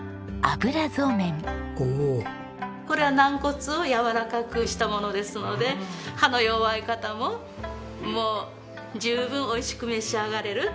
これは軟骨をやわらかくしたものですので歯の弱い方ももう十分美味しく召し上がれる。